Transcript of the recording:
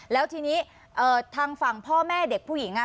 แล้วทีนี้ทางฝั่งพ่อแม่เด็กผู้หญิง